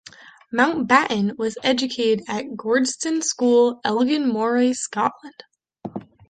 Mountbatten was educated at Gordonstoun School, Elgin, Moray, Scotland.